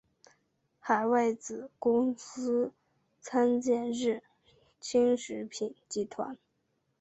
海外子公司参见日清食品集团。